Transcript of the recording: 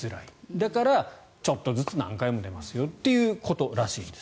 だから、ちょっとずつ何回も出ますよということらしいです。